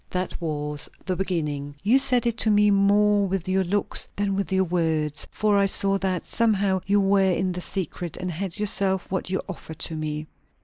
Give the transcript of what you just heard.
"That was the beginning. You said it to me more with your looks than with your words; for I saw that, somehow, you were in the secret, and had yourself what you offered to me.